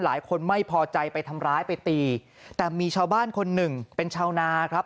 หลายคนไม่พอใจไปทำร้ายไปตีแต่มีชาวบ้านคนหนึ่งเป็นชาวนาครับ